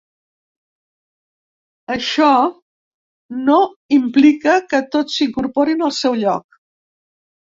Això no implica que tots s’incorporin al seu lloc.